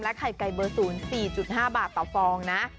และไข่ไก่เบอร์ศูนย์๔๕บาทต่อฟองนะ